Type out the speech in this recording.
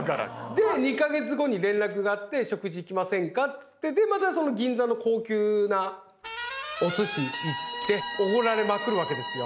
で２か月後に連絡があって「食事行きませんか」っつってでまたその銀座の高級なおすし行っておごられまくるわけですよ。